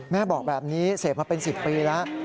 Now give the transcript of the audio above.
แม่บอกแบบนี้เสพมาเป็น๑๐ปีแล้ว